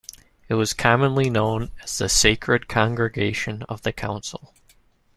It was commonly known as the Sacred Congregation of the Council.